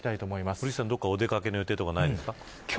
古市さん、どこかお出掛けの予定はありますか。